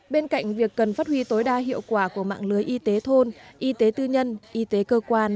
bên cạnh việc cần phát huy tối đa hiệu quả của mạng lưới y tế thôn y tế tư nhân y tế cơ quan